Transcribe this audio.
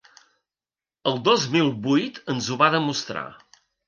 El dos mil vuit ens ho va demostrar.